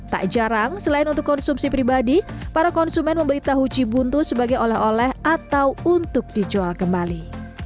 tak jarang selain untuk konsumsi pribadi para konsumen membeli tahu cibuntu sebagai oleh oleh atau untuk dijual kembali